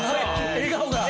笑顔が。